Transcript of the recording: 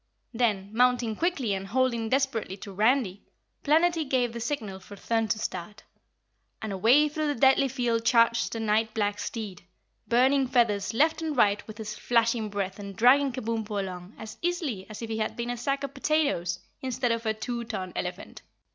Then, mounting quickly and holding desperately to Randy, Planetty gave the signal for Thun to start. And away through the deadly field charged the night black steed, burning feathers left and right with his flashing breath and dragging Kabumpo along as easily as if he had been a sack of potatoes instead of a two ton elephant.